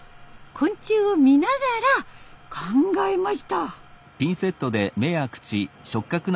昆虫を見ながら考えました。